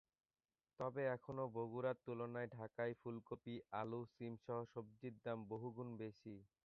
তবে এখনো বগুড়ার তুলনায় ঢাকায় ফুলকপি, আলু, শিমসহ সবজির দাম বহুগুণ বেশি।